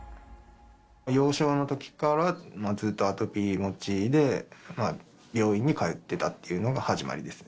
幼少のときからずっとアトピー持ちで、病院に通ってたっていうのが始まりですね。